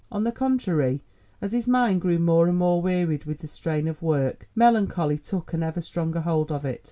On the contrary, as his mind grew more and more wearied with the strain of work, melancholy took an ever stronger hold of it.